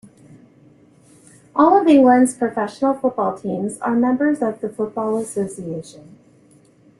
All of England's professional football teams are members of the Football Association.